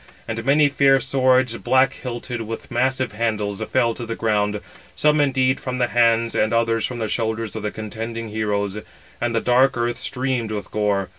And many fair swords, black hilted, with massive handles, fell to the ground, some indeed from the hands, and others from the shoulders of the contending heroes; and the dark earth streamed with gore.